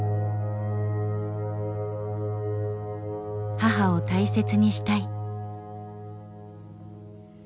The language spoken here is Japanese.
母を大切にしたい。